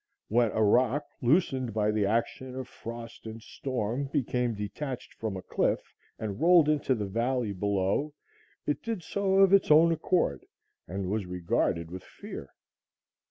When a rock, loosened by the action of frost and storm, became detached from a cliff and rolled into the valley below, it did so of its own accord and was regarded with fear.